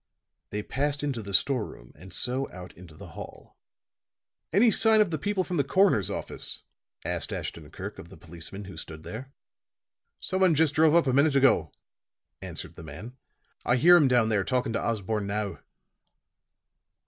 They passed into the store room, and so out into the hall. "Any signs of the people from the coroner's office?" asked Ashton Kirk of the policeman who stood there. "Someone just drove up a minute ago," answered the man. "I hear him down there talking to Osborne now."